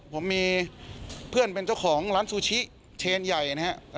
ผมมีเพื่อนเป็นเจ้าของร้านซูชิเชนใหญ่นะฮะ